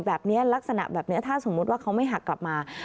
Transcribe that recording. แบบเนี้ยลักษณะแบบเนี้ยถ้าสมมุติว่าเขาไม่หักกลับมา